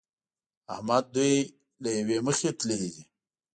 احمد دوی له يوې مخې تللي دي.